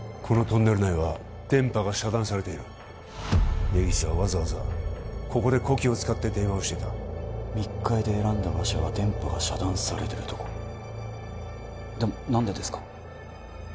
このトンネル内は電波が遮断されている根岸はわざわざここで子機を使って電話をしていた密会で選んだ場所は電波が遮断されてるとこでも何でですか？